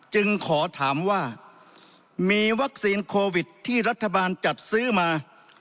จึงขอถามว่ามีวัคซีนโควิดที่รัฐบาลจัดซื้อมา